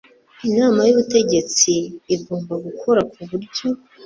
inama y ubutegetsi igomba gukora ku buryo